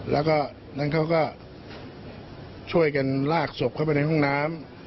แล้วก็นั้นเขาก็ช่วยกันลากศพเข้าไปในห้องน้ำ